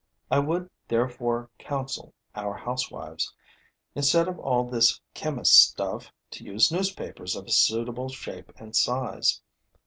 I would therefore counsel our housewives, instead of all this chemist's stuff, to use newspapers of a suitable shape and size.